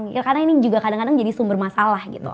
karena ini juga kadang kadang jadi sumber masalah